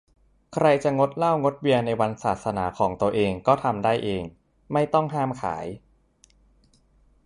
ใครจะงดเหล้างดเบียร์ในวันศาสนาของตัวเองก็ทำได้เอง ไม่ต้องห้ามขาย